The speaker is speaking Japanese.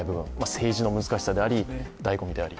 政治の難しさであり、だいご味であり。